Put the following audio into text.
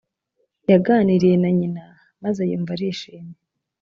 yaganiriye na nyina maze yumva arishimye